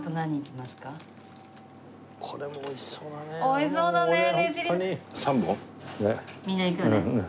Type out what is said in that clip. これもおいしそうだね。